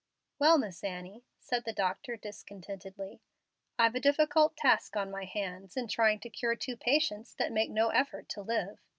"Well, Miss Annie," said the doctor, discontentedly, "I've a difficult task on my hands, in trying to cure two patients that make no effort to live.